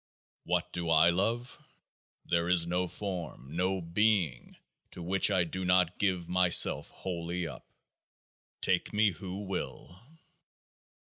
What do I love? There is no form, no being, to which I do not give myself wholly up. Take me, who will